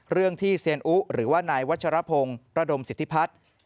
เรื่องที่เซียนอุหรือว่านายวัชรพงศ์ระดมสิทธิพัฒน์